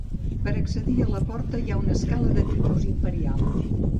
Per accedir a la porta hi ha una escala de tipus imperial.